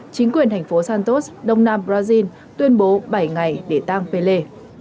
chính quyền thành phố santos đông nam brazil tuyên bố bảy ngày để tăng pelle